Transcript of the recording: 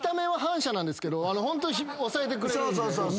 ホント抑えてくれるんで。